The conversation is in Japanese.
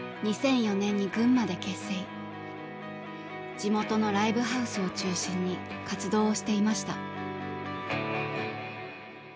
地元のライブハウスを中心に活動をしていました。